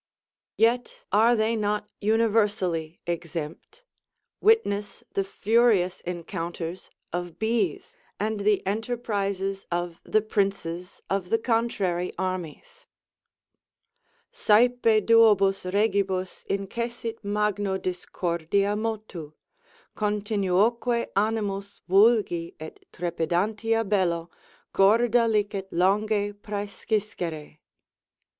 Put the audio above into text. Yet are they not universally exempt; witness the furious encounters of bees, and the enterprises of the princes of the contrary armies: Sæpe duobus Regibus incessit magno discordia motu; Continuoque animos vulgi et trepidantia bello Gorda licet longé præsciscere.